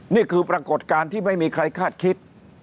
นี่คือปรากฏการณ์ที่ไม่มีใครคาดคิด